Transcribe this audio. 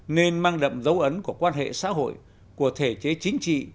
nên mang đậm dấu ấn của quan hệ xã hội của thể chế chính trị